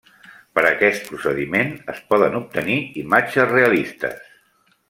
Per aquest procediment, es poden obtenir imatges realistes.